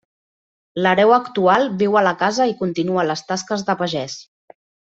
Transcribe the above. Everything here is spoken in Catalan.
L'hereu actual viu a la casa i continua les tasques de pagès.